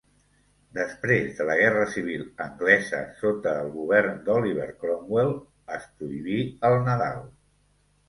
Després de la Guerra Civil Anglesa, sota el govern d'Oliver Cromwell es prohibí el Nadal.